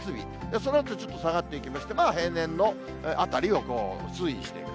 そのあと、ちょっと下がっていきまして、まあ平年のあたりを推移していく。